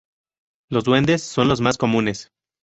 Los duendes son los más comunes.